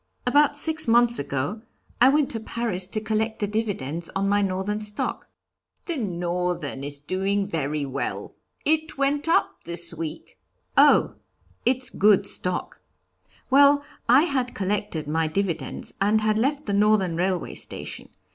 About six months ago I went to Paris to collect the dividends on my Northern stock." "The Northern is doing very well; it went up this week " "Oh! it's good stock. Well, I had collected my dividends and had left the Northern Railway Station.